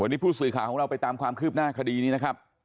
วันนี้ผู้สื่อข่าวของเราไปตามความคืบหน้าคดีนี้นะครับ